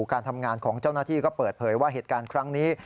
การทำงานของเจ้าหน้าที่ก็เปิดเผยว่าเหตุการณ์ครั้งนี้